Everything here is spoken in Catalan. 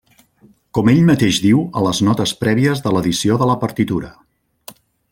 Com ell mateix diu a les notes prèvies de l'edició de la partitura.